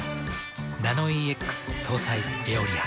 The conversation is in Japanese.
ナノイーＸ搭載「エオリア」。